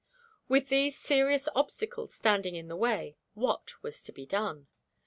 With these serious obstacles standing in the way, what was to be done?